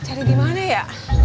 cari dimana ya